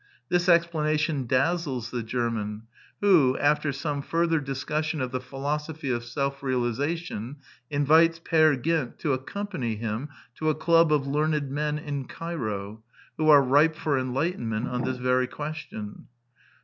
This explanation dazzles the German, who, after some further discussion of the phil osophy of self realization, invites Peer Gynt to accompany him to a club of learned men in Cairo, who are ripe for enlightenment on this very ques tion.